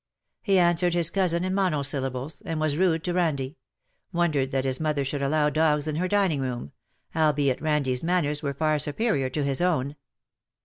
He answered his cousin in monosyllables, and was rude to Eandie — wondered that his mother should allow dogs in her dining room — albeit Kandie^s manners were far superior to his own.